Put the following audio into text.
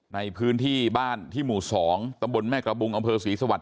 ในพื้นที่บ้านที่หมู่๒ตำบลแม่กระบุงอำเภอศรีสวรร